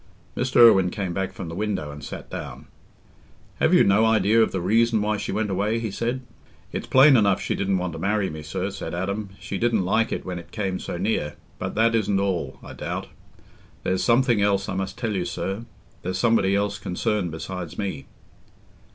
Mr. Irwine came back from the window and sat down. "Have you no idea of the reason why she went away?" he said. "It's plain enough she didn't want to marry me, sir," said Adam. "She didn't like it when it came so near. But that isn't all, I doubt. There's something else I must tell you, sir. There's somebody else concerned besides me."